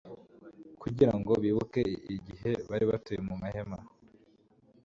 Kugira ngo bibuke igihe bari batuye mu mahema,